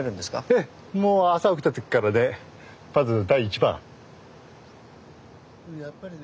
ええもう朝起きた時からねまず第一番。